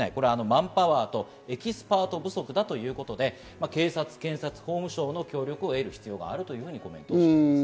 マンパワーとエキスパート不足だということで警察、検察、法務省の協力を得る必要があるとコメントしています。